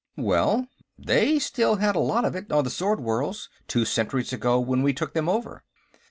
"Well? They still had a lot of it, on the Sword Worlds, two centuries ago when we took them over."